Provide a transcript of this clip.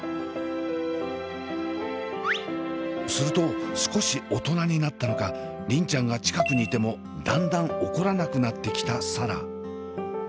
すると少し大人になったのか梨鈴ちゃんが近くにいてもだんだん怒らなくなってきた紗蘭。